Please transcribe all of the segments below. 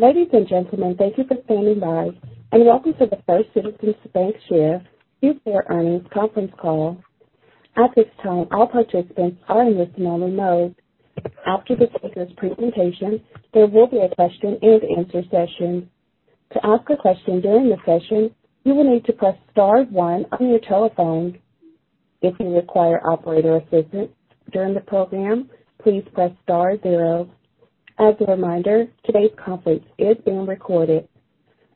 Ladies and gentlemen, thank you for standing by and welcome to the First Citizens BancShares Q4 Earnings Conference Call. At this time, all participants are in listen-only mode. After the speakers' presentation, there will be a question-and-answer session. To ask a question during the session, you will need to press star one on your telephone. If you require operator assistance during the program, please press star zero. As a reminder, today's conference is being recorded.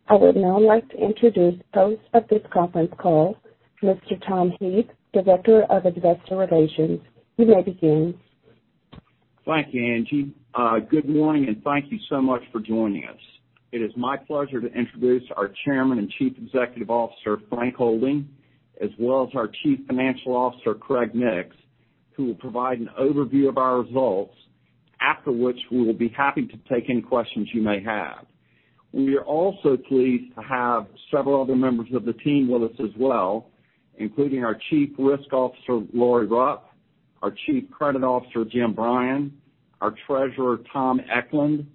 I would now like to introduce the host of this conference call, Mr. Tom Heath, Director of Investor Relations. You may begin. Thank you, Angie. Good morning, and thank you so much for joining us. It is my pleasure to introduce our Chairman and Chief Executive Officer, Frank Holding, as well as our Chief Financial Officer, Craig Nix, who will provide an overview of our results, after which we will be happy to take any questions you may have. We are also pleased to have several other members of the team with us as well, including our Chief Risk Officer, Lerae Ruff; our Chief Credit Officer, Jim Bryan; our Treasurer, Tom Eklund;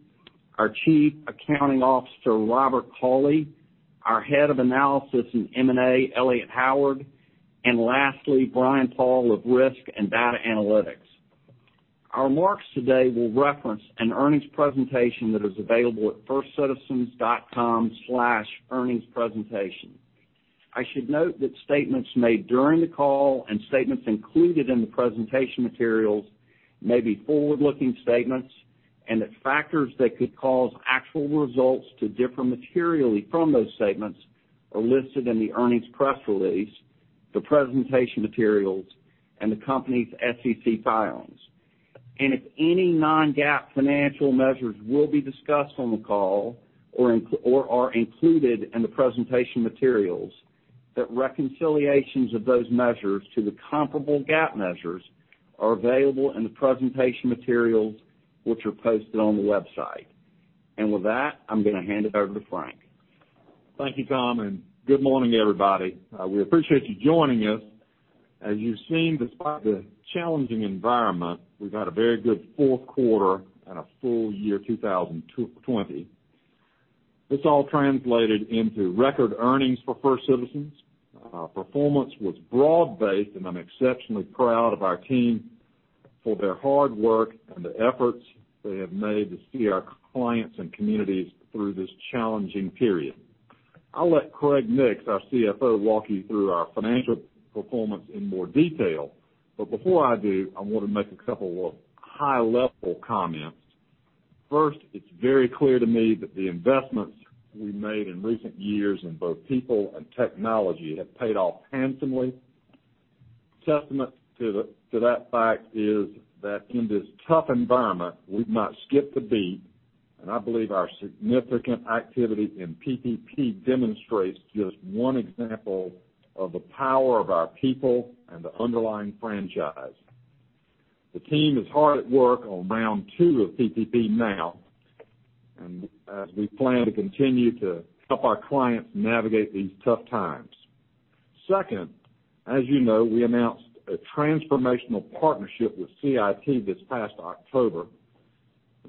our Chief Accounting Officer, Robert Cawley; our Head of Analysis andM&A, Elliott Howard; and lastly, Bryan Paul of Risk and Data Analytics. Our remarks today will reference an earnings presentation that is available at firstcitizens.com/earningspresentation. I should note that statements made during the call and statements included in the presentation materials may be forward-looking statements, and that factors that could cause actual results to differ materially from those statements are listed in the earnings press release, the presentation materials, and the company's SEC filings. And if any non-GAAP financial measures will be discussed on the call or are included in the presentation materials, that reconciliations of those measures to the comparable GAAP measures are available in the presentation materials, which are posted on the website. And with that, I'm gonna hand it over to Frank. Thank you, Tom, and good morning, everybody. We appreciate you joining us. As you've seen, despite the challenging environment, we've had a very good fourth quarter and a full year two thousand twenty. This all translated into record earnings for First Citizens. Performance was broad-based, and I'm exceptionally proud of our team for their hard work and the efforts they have made to see our clients and communities through this challenging period. I'll let Craig Nix, our CFO, walk you through our financial performance in more detail. But before I do, I want to make a couple of high-level comments. First, it's very clear to me that the investments we made in recent years in both people and technology have paid off handsomely. Testament to that fact is that in this tough environment, we've not skipped a beat, and I believe our significant activity in PPP demonstrates just one example of the power of our people and the underlying franchise. The team is hard at work on round two of PPP now, and as we plan to continue to help our clients navigate these tough times. Second, as you know, we announced a transformational partnership with CIT this past October.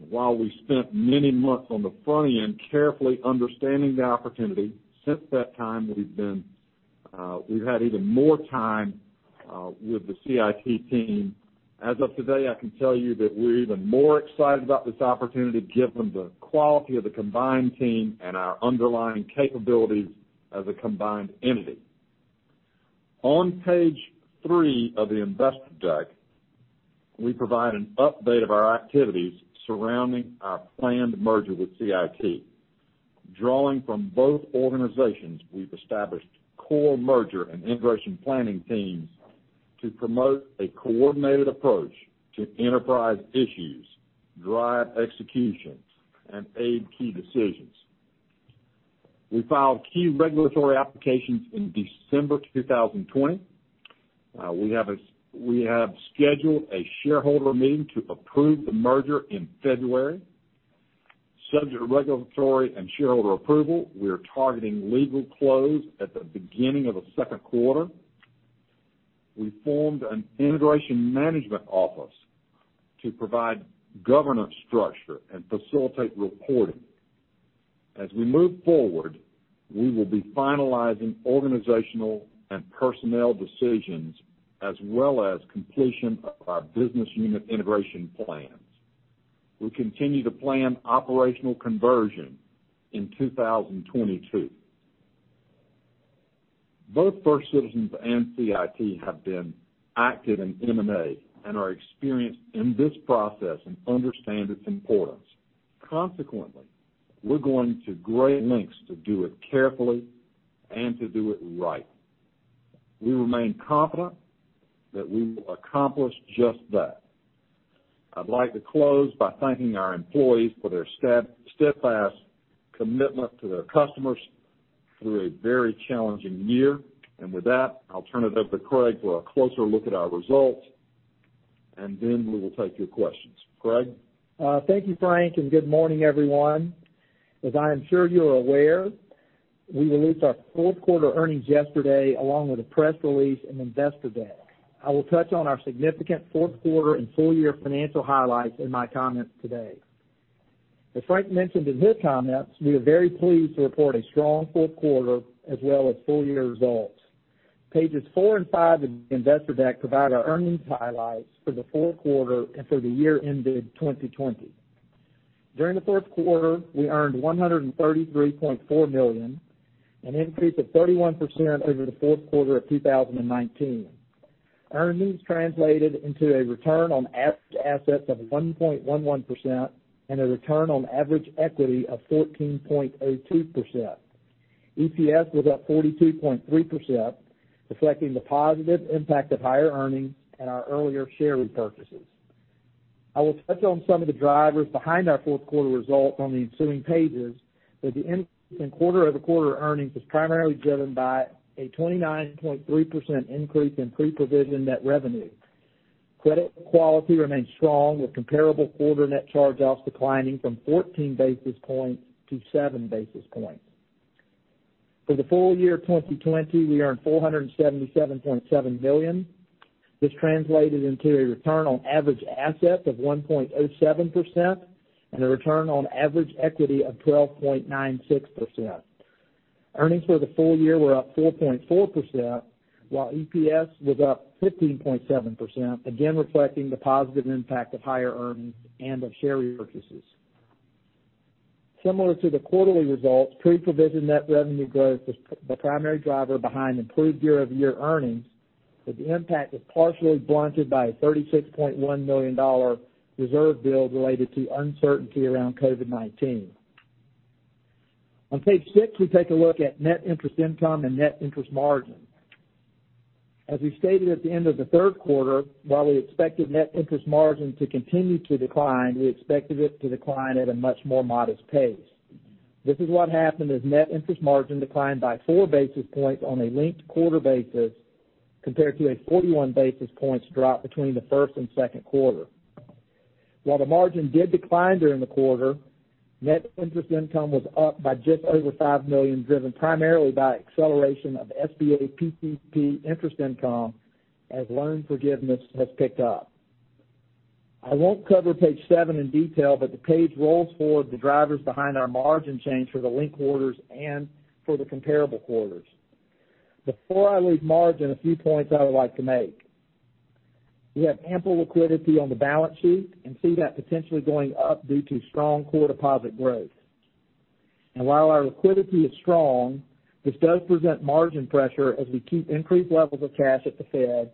While we spent many months on the front end carefully understanding the opportunity, since that time, we've had even more time with the CIT team. As of today, I can tell you that we're even more excited about this opportunity, given the quality of the combined team and our underlying capabilities as a combined entity. On page three of the investor deck, we provide an update of our activities surrounding our planned merger with CIT. Drawing from both organizations, we've established core merger and integration planning teams to promote a coordinated approach to enterprise issues, drive execution, and aid key decisions. We filed key regulatory applications in December 2020. We have scheduled a shareholder meeting to approve the merger in February. Subject to regulatory and shareholder approval, we are targeting legal close at the beginning of the second quarter. We formed an integration management office to provide governance structure and facilitate reporting. As we move forward, we will be finalizing organizational and personnel decisions, as well as completion of our business unit integration plans. We continue to plan operational conversion in 2022. Both First Citizens and CIT have been active in M&A and are experienced in this process and understand its importance. Consequently, we're going to great lengths to do it carefully and to do it right. We remain confident that we will accomplish just that. I'd like to close by thanking our employees for their steadfast commitment to their customers through a very challenging year. And with that, I'll turn it over to Craig for a closer look at our results, and then we will take your questions. Craig? Thank you, Frank, and good morning, everyone. As I am sure you are aware-... We released our fourth quarter earnings yesterday, along with a press release and investor deck. I will touch on our significant fourth quarter and full year financial highlights in my comments today. As Frank mentioned in his comments, we are very pleased to report a strong fourth quarter as well as full year results. Pages 4 and 5 in the investor deck provide our earnings highlights for the fourth quarter and for the year ended 2020. During the fourth quarter, we earned $133.4 million, an increase of 31% over the fourth quarter of 2019. Earnings translated into a return on average assets of 1.11% and a return on average equity of 14.2%. EPS was up 42.3%, reflecting the positive impact of higher earnings and our earlier share repurchases. I will touch on some of the drivers behind our fourth quarter results on the ensuing pages, but the increase in quarter over quarter earnings was primarily driven by a 29.3% increase in pre-provision net revenue. Credit quality remains strong, with comparable quarter net charge-offs declining from 14 basis points to 7 basis points. For the full year 2020, we earned $477.7 million. This translated into a return on average assets of 1.07% and a return on average equity of 12.96%. Earnings for the full year were up 4.4%, while EPS was up 15.7%, again, reflecting the positive impact of higher earnings and of share repurchases. Similar to the quarterly results, pre-provision net revenue growth was the primary driver behind improved year-over-year earnings, but the impact was partially blunted by a $36.1 million reserve build related to uncertainty around COVID-19. On page six, we take a look at net interest income and net interest margin. As we stated at the end of the third quarter, while we expected net interest margin to continue to decline, we expected it to decline at a much more modest pace. This is what happened, as net interest margin declined by four basis points on a linked quarter basis, compared to a 41 basis points drop between the first and second quarter. While the margin did decline during the quarter, net interest income was up by just over $5 million, driven primarily by acceleration of SBA PPP interest income, as loan forgiveness has picked up. I won't cover page seven in detail, but the page rolls forward the drivers behind our margin change for the linked quarters and for the comparable quarters. Before I leave margin, a few points I would like to make. We have ample liquidity on the balance sheet and see that potentially going up due to strong core deposit growth. While our liquidity is strong, this does present margin pressure as we keep increased levels of cash at the Fed,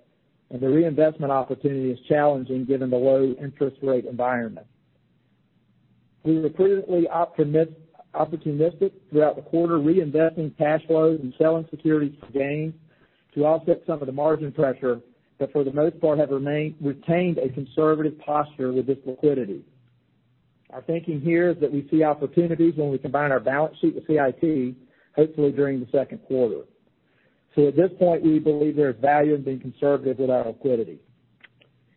and the reinvestment opportunity is challenging given the low interest rate environment. We were clearly opportunistic throughout the quarter, reinvesting cash flows and selling securities to gain to offset some of the margin pressure, but for the most part, retained a conservative posture with this liquidity. Our thinking here is that we see opportunities when we combine our balance sheet with CIT, hopefully during the second quarter. So at this point, we believe there is value in being conservative with our liquidity.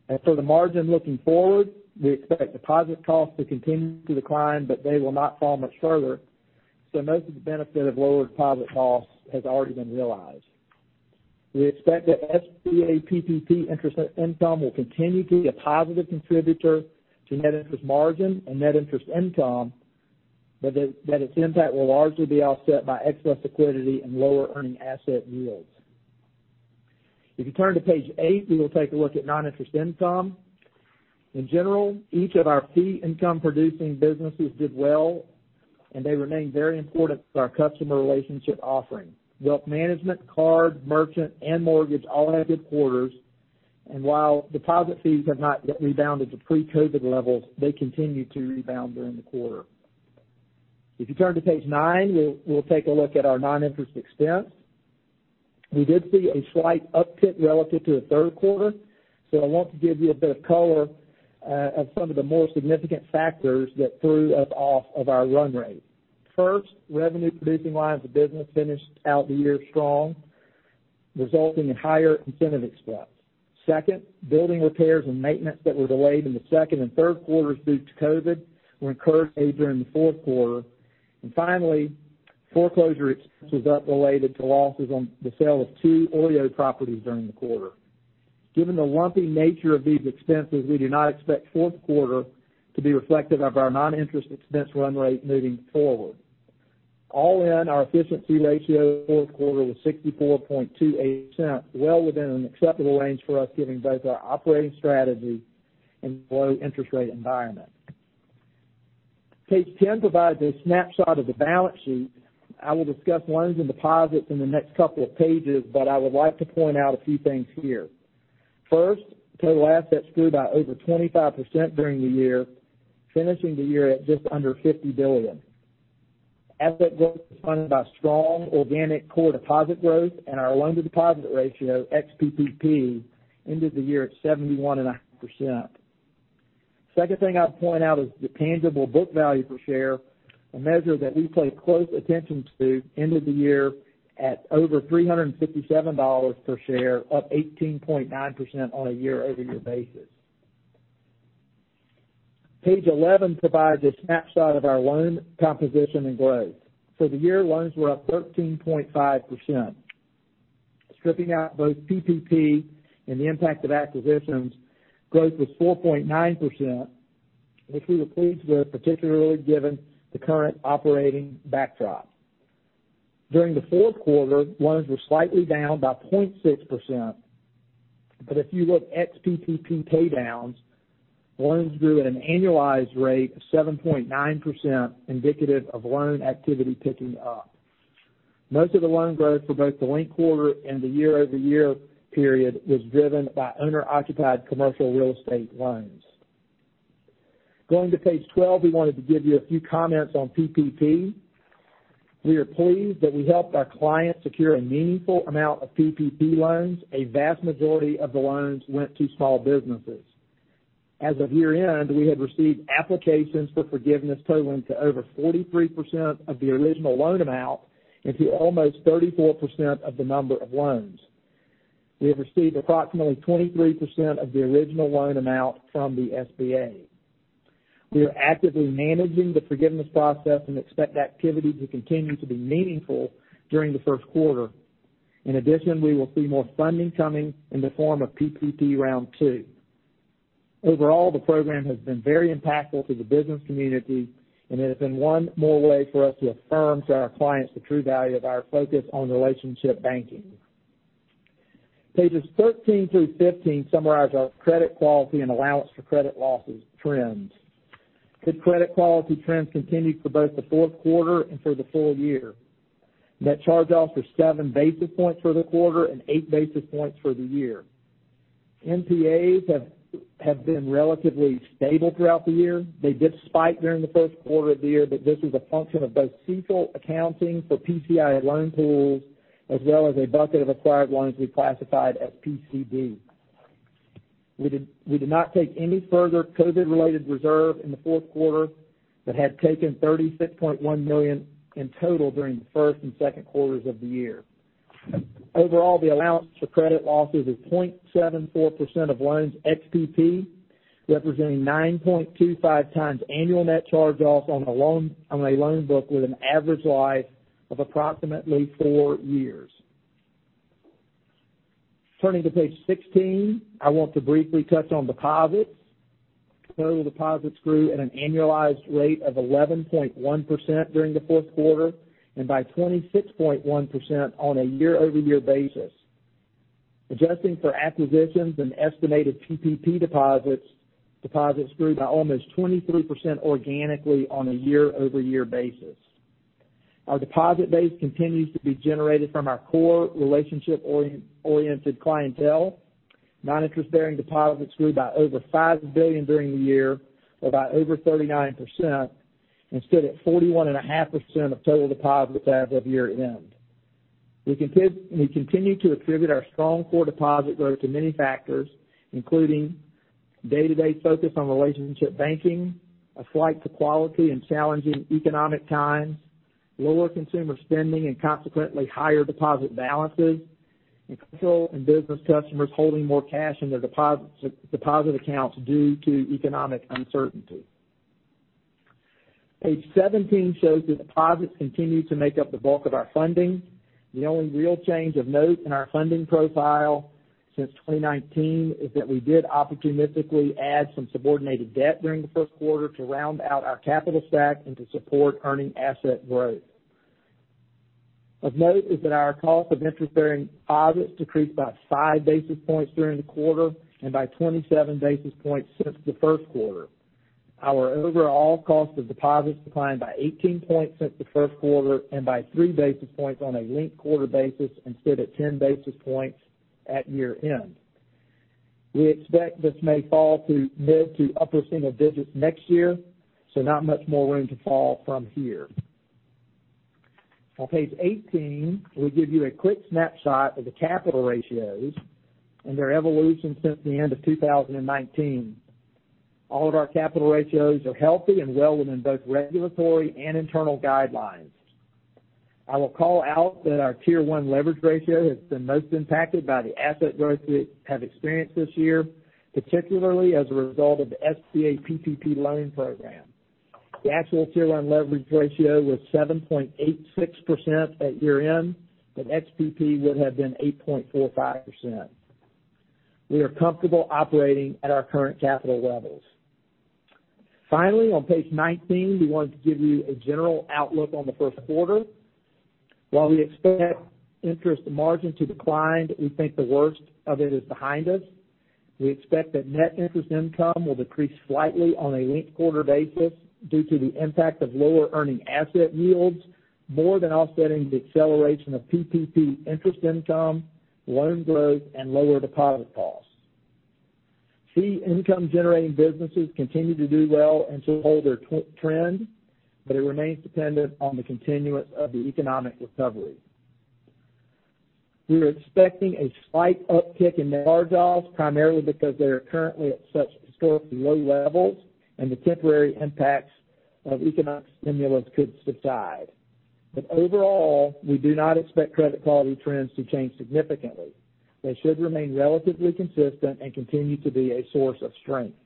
As for the margin looking forward, we expect deposit costs to continue to decline, but they will not fall much further, so most of the benefit of lower deposit costs has already been realized. We expect that SBA PPP interest income will continue to be a positive contributor to net interest margin and net interest income, but that its impact will largely be offset by excess liquidity and lower earning asset yields. If you turn to page eight, we will take a look at non-interest income. In general, each of our fee income producing businesses did well, and they remain very important to our customer relationship offering. Wealth management, card, merchant, and mortgage all had good quarters, and while deposit fees have not yet rebounded to pre-COVID levels, they continued to rebound during the quarter. If you turn to page nine, we'll take a look at our non-interest expense. We did see a slight uptick relative to the third quarter, so I want to give you a bit of color of some of the more significant factors that threw us off of our run rate. First, revenue producing lines of business finished out the year strong, resulting in higher incentive expense. Second, building repairs and maintenance that were delayed in the second and third quarters due to COVID were incurred during the fourth quarter. And finally, foreclosure expenses up related to losses on the sale of two OREO properties during the quarter. Given the lumpy nature of these expenses, we do not expect fourth quarter to be reflective of our non-interest expense run rate moving forward. All in, our efficiency ratio, fourth quarter, was 64.28%, well within an acceptable range for us, given both our operating strategy and low interest rate environment. Page 10 provides a snapshot of the balance sheet. I will discuss loans and deposits in the next couple of pages, but I would like to point out a few things here. First, total assets grew by over 25% during the year, finishing the year at just under $50 billion. Asset growth was funded by strong organic core deposit growth, and our loan-to-deposit ratio, ex-PPP, ended the year at 71.5%. Second thing I'd point out is the tangible book value per share, a measure that we pay close attention to, ended the year at over $357 per share, up 18.9% on a year-over-year basis. Page 11 provides a snapshot of our loan composition and growth. For the year, loans were up 13.5%. Stripping out both PPP and the impact of acquisitions, growth was 4.9%, which we were pleased with, particularly given the current operating backdrop. During the fourth quarter, loans were slightly down by 0.6%, but if you look ex-PPP pay downs, loans grew at an annualized rate of 7.9%, indicative of loan activity picking up. Most of the loan growth for both the linked quarter and the year-over-year period was driven by owner-occupied commercial real estate loans. Going to page 12, we wanted to give you a few comments on PPP. We are pleased that we helped our clients secure a meaningful amount of PPP loans. A vast majority of the loans went to small businesses. As of year-end, we had received applications for forgiveness totaling to over 43% of the original loan amount, and to almost 34% of the number of loans. We have received approximately 23% of the original loan amount from the SBA. We are actively managing the forgiveness process and expect activity to continue to be meaningful during the first quarter. In addition, we will see more funding coming in the form of PPP Round Two. Overall, the program has been very impactful to the business community, and it has been one more way for us to affirm to our clients the true value of our focus on relationship banking. Pages thirteen through fifteen summarize our credit quality and allowance for credit losses trends. Good credit quality trends continued for both the fourth quarter and for the full year. Net charge-offs are seven basis points for the quarter and eight basis points for the year. NPAs have been relatively stable throughout the year. They did spike during the first quarter of the year, but this is a function of both CECL accounting for PCI loan pools, as well as a bucket of acquired loans we classified as PCI. We did not take any further COVID-related reserve in the fourth quarter, but had taken $36.1 million in total during the first and second quarters of the year. Overall, the allowance for credit losses is 0.74% of loans ex-PP, representing 9.25 times annual net charge-off on a loan book with an average life of approximately four years. Turning to page 16, I want to briefly touch on deposits. Total deposits grew at an annualized rate of 11.1% during the fourth quarter, and by 26.1% on a year-over-year basis. Adjusting for acquisitions and estimated PPP deposits, deposits grew by almost 23% organically on a year-over-year basis. Our deposit base continues to be generated from our core relationship-oriented clientele. Non-interest-bearing deposits grew by over $5 billion during the year, or by over 39%, and stood at 41.5% of total deposits as of year-end. We continue to attribute our strong core deposit growth to many factors, including day-to-day focus on relationship banking, a flight to quality in challenging economic times, lower consumer spending and consequently, higher deposit balances, and personal and business customers holding more cash in their deposits, deposit accounts due to economic uncertainty. Page 17 shows that deposits continue to make up the bulk of our funding. The only real change of note in our funding profile since 2019, is that we did opportunistically add some subordinated debt during the first quarter to round out our capital stack and to support earning asset growth. Of note, is that our cost of interest-bearing deposits decreased by five basis points during the quarter and by twenty-seven basis points since the first quarter. Our overall cost of deposits declined by eighteen points since the first quarter, and by three basis points on a linked quarter basis, and stood at ten basis points at year-end. We expect this may fall to mid-to-upper single digits next year, so not much more room to fall from here. On page eighteen, we give you a quick snapshot of the capital ratios and their evolution since the end of two thousand and nineteen. All of our capital ratios are healthy and well within both regulatory and internal guidelines. I will call out that our Tier 1 leverage ratio has been most impacted by the asset growth we have experienced this year, particularly as a result of the SBA PPP loan program. The actual Tier 1 leverage ratio was 7.86% at year-end, but ex-PP would have been 8.45%. We are comfortable operating at our current capital levels. Finally, on page nineteen, we wanted to give you a general outlook on the first quarter. While we expect interest margin to decline, we think the worst of it is behind us. We expect that net interest income will decrease slightly on a linked quarter basis due to the impact of lower earning asset yields, more than offsetting the acceleration of PPP interest income, loan growth, and lower deposit costs. Fee income-generating businesses continue to do well and to hold their trend, but it remains dependent on the continuance of the economic recovery. We are expecting a slight uptick in charge-offs, primarily because they are currently at such historically low levels, and the temporary impacts of economic stimulus could subside. But overall, we do not expect credit quality trends to change significantly. They should remain relatively consistent and continue to be a source of strength.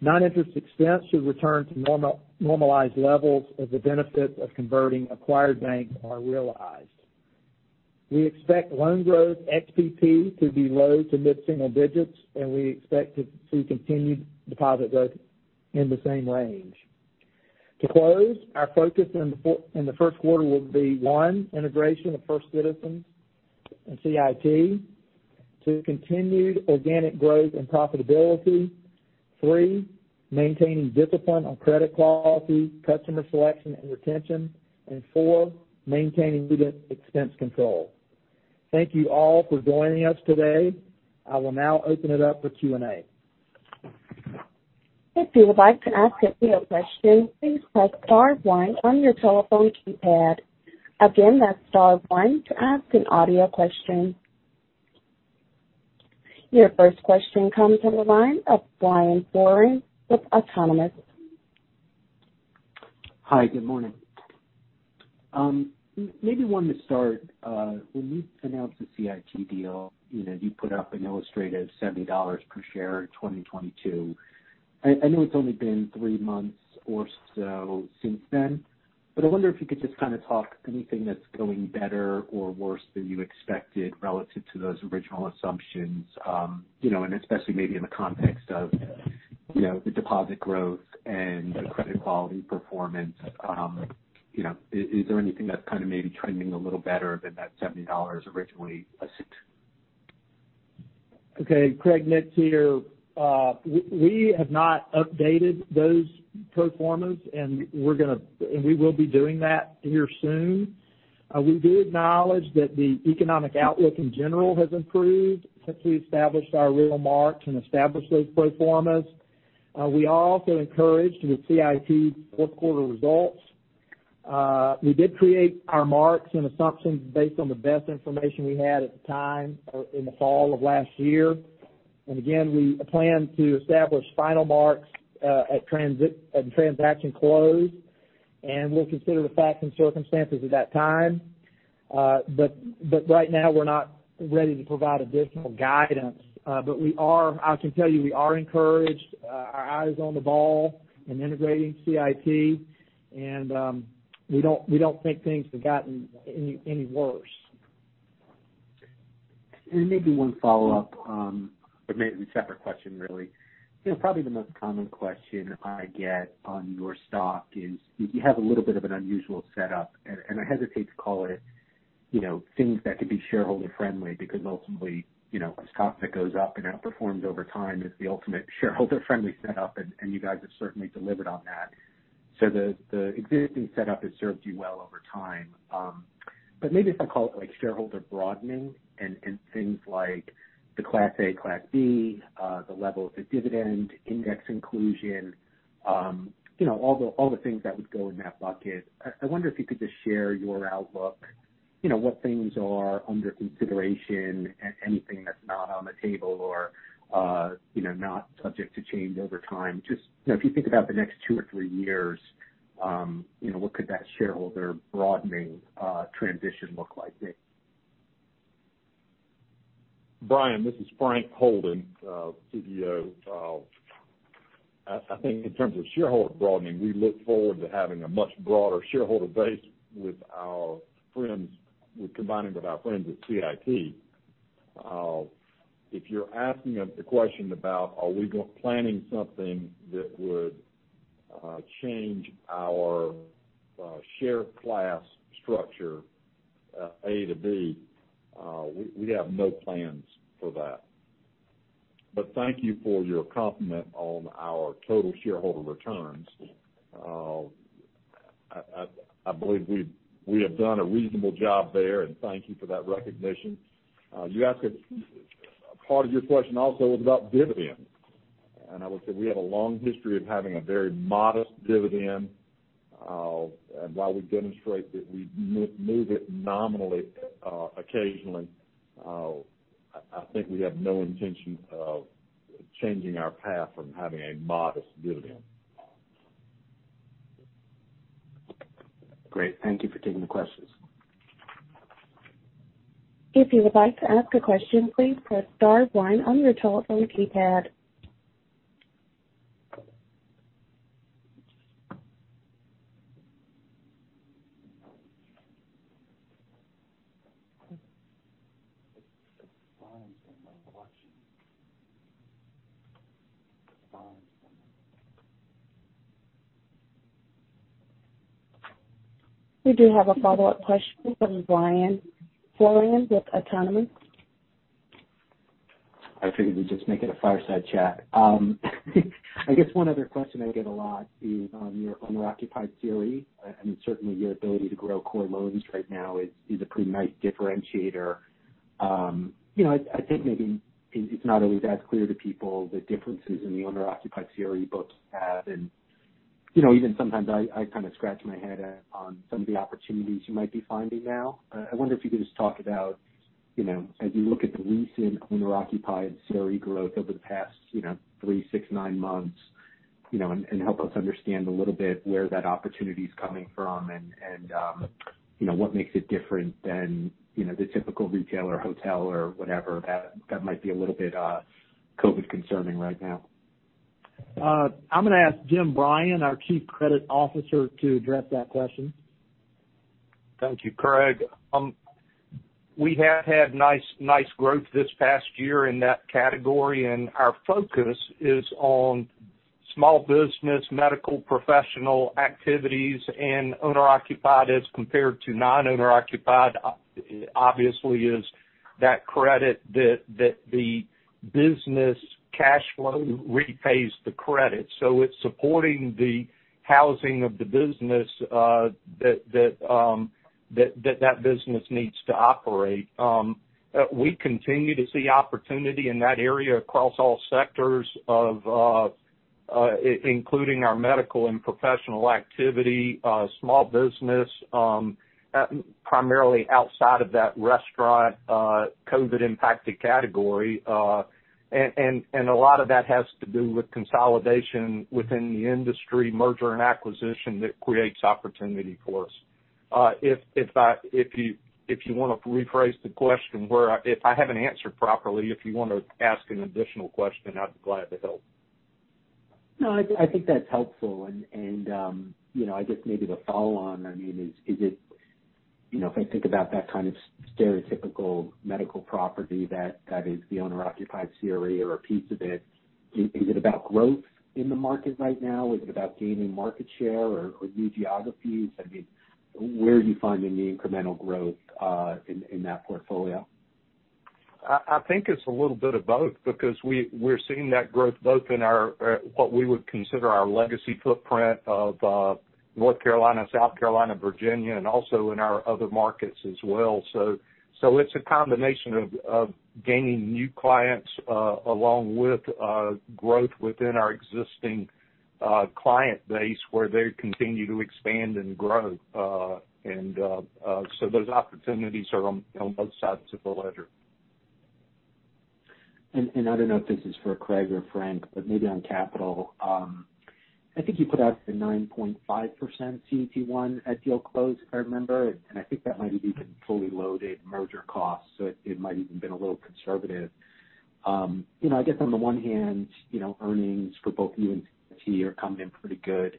Non-interest expense should return to normalized levels as the benefits of converting acquired banks are realized. We expect loan growth ex PPP to be low to mid-single digits, and we expect to see continued deposit growth in the same range. To close, our focus in the first quarter will be one, integration of First Citizens and CIT. Two, continued organic growth and profitability. Three, maintaining discipline on credit quality, customer selection, and retention. And four, maintaining expense control. Thank you all for joining us today. I will now open it up for Q&A. If you would like to ask an audio question, please press star one on your telephone keypad. Again, that's star one to ask an audio question. Your first question comes from the line of Brian Foran with Autonomous. Hi, good morning. Maybe want to start, when you announced the CIT deal, you know, you put up an illustrative $70 per share in 2022. I know it's only been three months or so since then, but I wonder if you could just kind of talk anything that's going better or worse than you expected relative to those original assumptions, you know, and especially maybe in the context of, you know, the deposit growth and the credit quality performance. You know, is there anything that's kind of maybe trending a little better than that $70 originally assumed? Okay, Craig Nix here. We have not updated those pro formas, and we will be doing that here soon. We do acknowledge that the economic outlook in general has improved since we established our real marks and established those pro formas. We are also encouraged with CIT's fourth quarter results. We did create our marks and assumptions based on the best information we had at the time, in the fall of last year. And again, we plan to establish final marks at transaction close, and we'll consider the facts and circumstances at that time. But right now, we're not ready to provide additional guidance, but we are. I can tell you we are encouraged, our eye is on the ball in integrating CIT, and we don't think things have gotten any worse. Maybe one follow-up, or maybe a separate question, really. You know, probably the most common question I get on your stock is, you have a little bit of an unusual setup, and I hesitate to call it, you know, things that could be shareholder-friendly, because ultimately, you know, a stock that goes up and outperforms over time is the ultimate shareholder-friendly setup, and you guys have certainly delivered on that. So the existing setup has served you well over time. But maybe if I call it, like, shareholder broadening and things like the Class A, Class B, the level of the dividend, index inclusion, you know, all the things that would go in that bucket, I wonder if you could just share your outlook, you know, what things are under consideration, anything that's not on the table or, you know, not subject to change over time. Just, you know, if you think about the next two or three years, you know, what could that shareholder broadening, transition look like there? Brian, this is Frank Holding, CEO. I think in terms of shareholder broadening, we look forward to having a much broader shareholder base with our friends, combining with our friends at CIT. If you're asking a question about, are we planning something that would change our share class structure, A to B, we have no plans for that. But thank you for your compliment on our total shareholder returns. I believe we have done a reasonable job there, and thank you for that recognition. You asked, part of your question also was about dividend, and I would say we have a long history of having a very modest dividend. And while we demonstrate that we move it nominally, occasionally, I think we have no intention of changing our path from having a modest dividend. Great. Thank you for taking the questions. If you would like to ask a question, please press star one on your telephone keypad. We do have a follow-up question from Brian Foran with Autonomous. I figured we'd just make it a fireside chat. I guess one other question I get a lot is on your owner-occupied CRE, and certainly, your ability to grow core loans right now is a pretty nice differentiator. You know, I think maybe it's not always that clear to people the differences in the owner-occupied CRE books you have, and, you know, even sometimes I kind of scratch my head on some of the opportunities you might be finding now. I wonder if you could just talk about-... You know, as you look at the recent owner-occupied CRE growth over the past, you know, three, six, nine months, you know, and you know, what makes it different than, you know, the typical retail or hotel or whatever, that might be a little bit COVID concerning right now? I'm going to ask Jim Bryan, our Chief Credit Officer, to address that question. Thank you, Craig. We have had nice growth this past year in that category, and our focus is on small business, medical, professional activities, and owner-occupied as compared to non-owner occupied. Obviously, is that credit that the business cash flow repays the credit. So it's supporting the housing of the business that business needs to operate. We continue to see opportunity in that area across all sectors of, including our medical and professional activity, small business, primarily outside of that restaurant, COVID-impacted category. And a lot of that has to do with consolidation within the industry, merger and acquisition, that creates opportunity for us. If you want to rephrase the question or if I haven't answered properly, if you want to ask an additional question, I'd be glad to help. No, I think that's helpful. And, you know, I guess maybe the follow on, I mean, is it, you know, if I think about that kind of stereotypical medical property, that is the owner-occupied CRE or a piece of it, is it about growth in the market right now? Is it about gaining market share or new geographies? I mean, where are you finding the incremental growth in that portfolio? I think it's a little bit of both, because we're seeing that growth both in our what we would consider our legacy footprint of North Carolina, South Carolina, Virginia, and also in our other markets as well. So it's a combination of gaining new clients along with growth within our existing client base, where they continue to expand and grow. And so those opportunities are on both sides of the ledger. I don't know if this is for Craig or Frank, but maybe on capital. I think you put out the 9.5% CET1 at deal close, if I remember, and I think that might have even fully loaded merger costs, so it might even been a little conservative. You know, I guess on the one hand, you know, earnings for both you and CIT are coming in pretty good.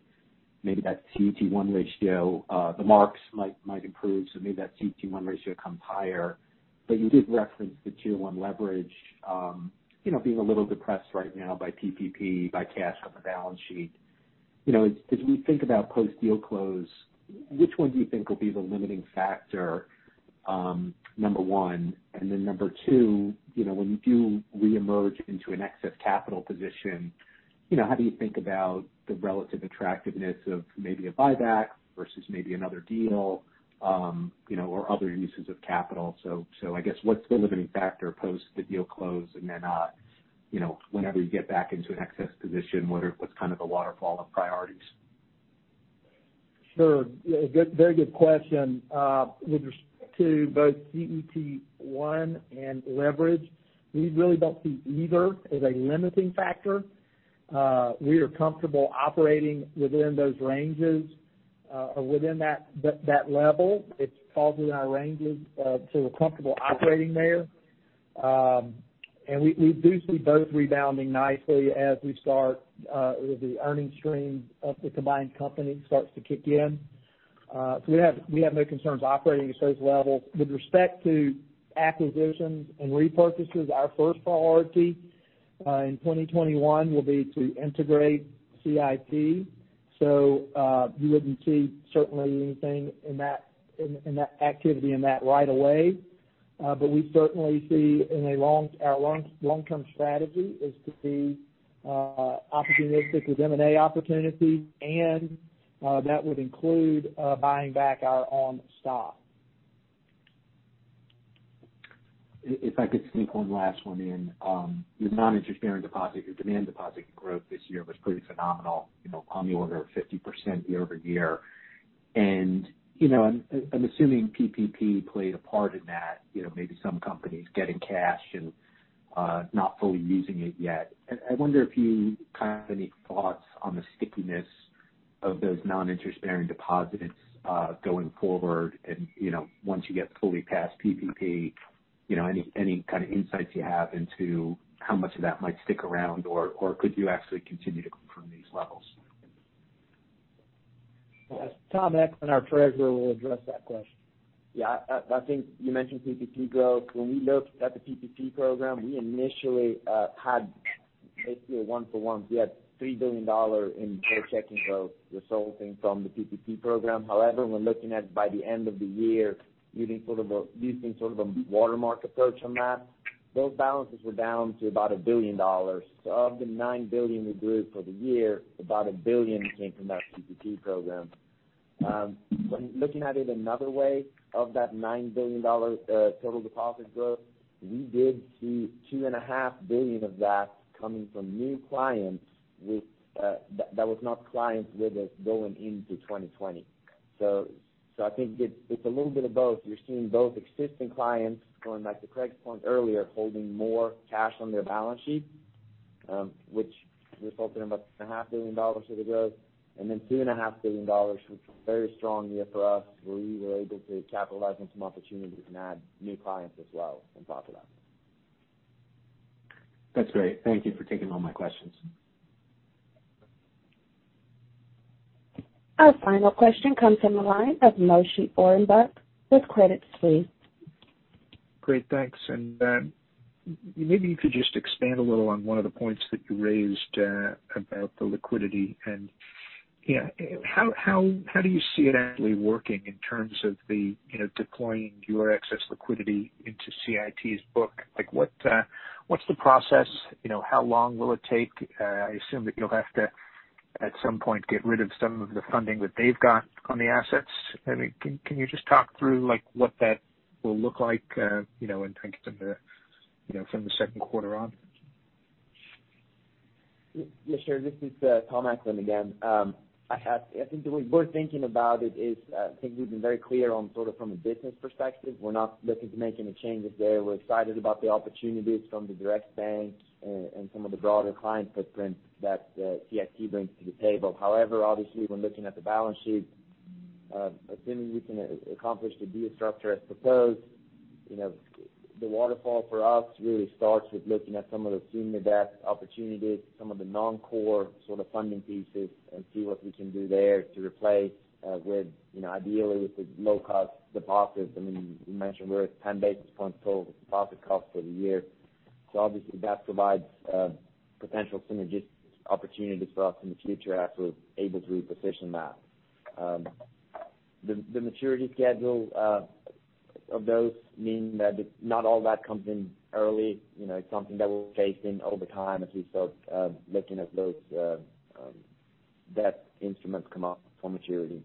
Maybe that CET1 ratio, the marks might improve, so maybe that CET1 ratio comes higher. But you did reference the tier one leverage, you know, being a little depressed right now by PPP, by cash on the balance sheet. You know, as we think about post-deal close, which one do you think will be the limiting factor, number one? And then number two, you know, when you do reemerge into an excess capital position, you know, how do you think about the relative attractiveness of maybe a buyback versus maybe another deal, you know, or other uses of capital? So, I guess, what's the limiting factor post the deal close? And then, you know, whenever you get back into an excess position, what's kind of the waterfall of priorities? Sure. Yeah, good, very good question. With respect to both CET1 and leverage, we really don't see either as a limiting factor. We are comfortable operating within those ranges, or within that level. It's within our ranges, so we're comfortable operating there. And we do see both rebounding nicely as we start with the earnings stream of the combined company starts to kick in. So we have no concerns operating at those levels. With respect to acquisitions and repurchases, our first priority in 2021 will be to integrate CIT. You wouldn't see certainly anything in that activity right away. But we certainly see our long-term strategy is to be opportunistic with M&A opportunities, and that would include buying back our own stock. If I could sneak one last one in. Your non-interest bearing deposit, your demand deposit growth this year was pretty phenomenal, you know, on the order of 50% year over year. And, you know, I'm assuming PPP played a part in that, you know, maybe some companies getting cash and not fully using it yet. I wonder if you have any thoughts on the stickiness of those non-interest bearing deposits going forward and, you know, once you get fully past PPP, you know, any kind of insights you have into how much of that might stick around or could you actually continue to grow from these levels? Tom Eklund, our treasurer, will address that question. Yeah, I think you mentioned PPP growth. When we looked at the PPP program, we initially had basically a one for one. We had $3 billion in total checking growth resulting from the PPP program. However, we're looking at, by the end of the year, using sort of a watermark approach on that, those balances were down to about $1 billion. So of the $9 billion we grew for the year, about $1 billion came from that PPP program. When looking at it another way, of that $9 billion total deposit growth, we did see $2.5 billion of that coming from new clients with that was not clients with us going into 2020. So I think it's a little bit of both. You're seeing both existing clients going back to Craig's point earlier, holding more cash on their balance sheet, which resulted in about $500 million of the growth, and then $2.5 billion, which was a very strong year for us, where we were able to capitalize on some opportunities and add new clients as well on top of that. That's great. Thank you for taking all my questions. Our final question comes from the line of Moshe Orenbuch with Credit Suisse. Great, thanks. And maybe you could just expand a little on one of the points that you raised about the liquidity and, yeah, how do you see it actually working in terms of the, you know, deploying your excess liquidity into CIT's book? Like, what's the process? You know, how long will it take? I assume that you'll have to, at some point, get rid of some of the funding that they've got on the assets. I mean, can you just talk through, like, what that will look like, you know, in terms of the, you know, from the second quarter on? Yeah, sure. This is Tom Eklund again. I think the way we're thinking about it is, I think we've been very clear on sort of from a business perspective, we're not looking to making any changes there. We're excited about the opportunities from the direct bank and some of the broader client footprint that CIT brings to the table. However, obviously, when looking at the balance sheet, assuming we can accomplish the deal structure as proposed, you know, the waterfall for us really starts with looking at some of the senior debt opportunities, some of the non-core sort of funding pieces, and see what we can do there to replace with, you know, ideally with the low-cost deposits. I mean, we mentioned we're at ten basis points over deposit costs for the year. So obviously, that provides potential synergies opportunities for us in the future as we're able to reposition that. The maturity schedule of those mean that not all that comes in early. You know, it's something that we're facing over time as we start looking at those debt instruments come up for maturity.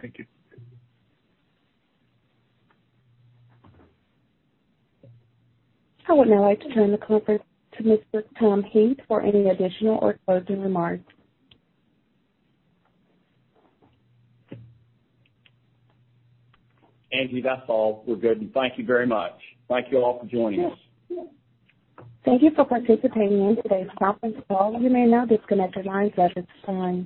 Thank you. I would now like to turn the conference to Mr. Tom Heath for any additional or closing remarks. Angie, that's all. We're good. Thank you very much. Thank you all for joining us. Thank you for participating in today's conference call. You may now disconnect your lines at this time.